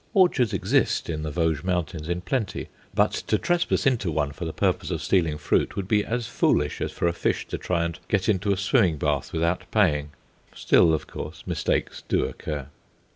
Orchards exist in the Vosges mountains in plenty; but to trespass into one for the purpose of stealing fruit would be as foolish as for a fish to try and get into a swimming bath without paying. Still, of course, mistakes do occur.